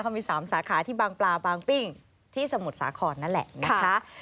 เขามี๓สาขาที่บางปลาบางปิ้งที่สมุทรสาครนั่นแหละนะคะ